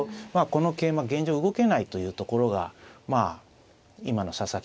この桂馬現状動けないというところがまあ今の佐々木さんの考慮時間。